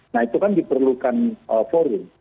nah itu kan diperlukan forum